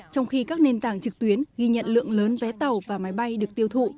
trong khi các nền tảng trực tuyến ghi nhận lượng lớn vé tàu và máy bay được tiêu thụ